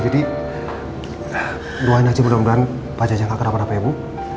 jadi doain aja mudah mudahan pak jajang gak kena apa apa ya bu